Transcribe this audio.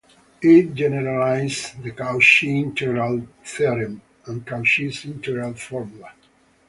It generalizes the Cauchy integral theorem and Cauchy's integral formula.